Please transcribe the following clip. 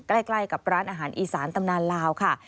ใกล้กับร้านอาหารอีสานตำนานลาวค่ะ